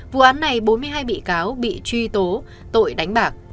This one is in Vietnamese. vụ án này bốn mươi hai bị cáo bị truy tố tội đánh bạc